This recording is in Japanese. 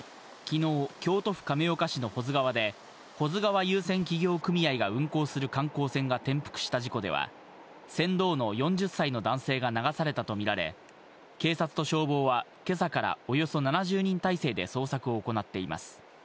昨日、京都府亀岡市の保津川で保津川遊船企業組合が運航する観光船が転覆した事故では、船頭の４０歳の男性が流されたとみられ、警察と消防は今朝から、およそ７０人態勢で捜索を行っています。